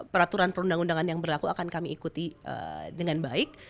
peraturan perundang undangan yang berlaku akan kami ikuti dengan baik